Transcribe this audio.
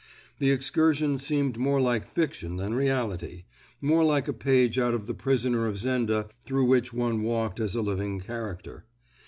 The excursion seemed more like fiction than reality—more like a page out of The Prisoner of Zenda through which one walked as a living character.